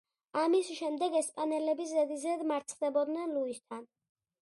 ამის შემდეგ ესპანელები ზედიზედ მარცხდებოდნენ ლუისთან.